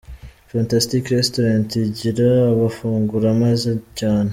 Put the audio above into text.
Fantastic Restaurant igira amafunguro meza cyane.